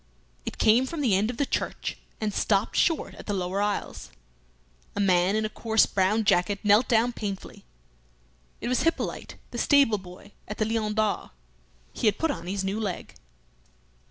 It came from the end of the church, and stopped short at the lower aisles. A man in a coarse brown jacket knelt down painfully. It was Hippolyte, the stable boy at the "Lion d'Or." He had put on his new leg.